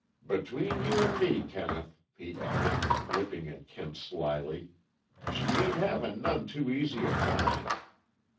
"Between you an' me, Kenneth," he added, looking at Kent slyly, "she ain't having none too easy a time.